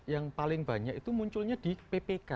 yang paling banyak itu munculnya di ppk